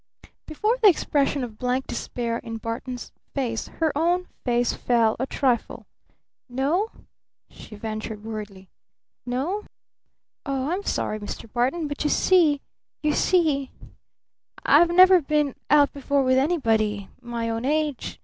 Before the expression of blank despair in Barton's face, her own face fell a trifle. "No?" she ventured worriedly. "No? Oh, I'm sorry, Mr. Barton, but you see you see I've never been out before with anybody my own age.